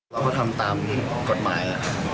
เราก็ทำตามกฎหมาย